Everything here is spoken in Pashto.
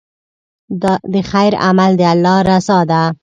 د خیر عمل د الله رضا ده.